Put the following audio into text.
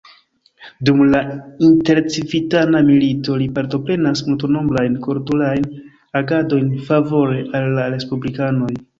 Dum la intercivitana milito li partoprenas multnombrajn kulturajn agadojn favore al la respublikanoj.